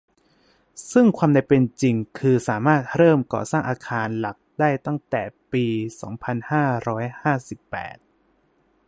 ซึ่งในความเป็นจริงคือสามารถเริ่มก่อสร้างอาคารหลักได้ตั้งแต่ปี สองพันห้าร้อยห้าสิบแปด